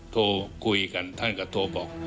โทรคุยกันท่านก็โทรบอก